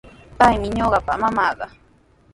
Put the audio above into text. Paymi ñuqapa mamaaqa.